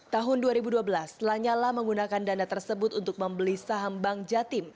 tahun dua ribu dua belas lanyala menggunakan dana tersebut untuk membeli saham bank jatim